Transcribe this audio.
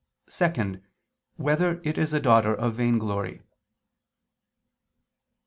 (2) Whether it is a daughter of vainglory?